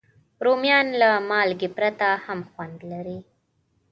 رومیان له مالګې پرته هم خوند لري